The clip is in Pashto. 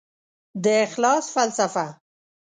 د اخلاص فلسفه